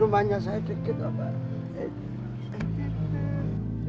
rumahnya sakit pak